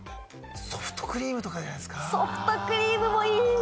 ソフトクリームとかじゃないですか？